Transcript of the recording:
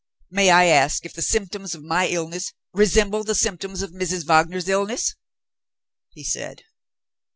"May I ask if the symptoms of my illness resembled the symptoms of Mrs. Wagner's illness?" he said.